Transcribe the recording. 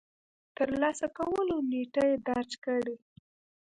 د ترلاسه کولو نېټه يې درج کړئ.